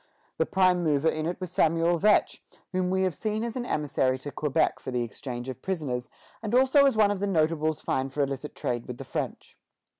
The prime mover in it was Samuel Vetch, whom we have seen as an emissary to Quebec for the exchange of prisoners, and also as one of the notables fined for illicit trade with the French.